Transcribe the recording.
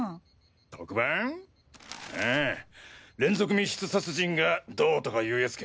ああ連続密室殺人がどうとかいうやつか。